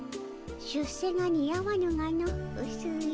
出世が似合わぬがのうすい。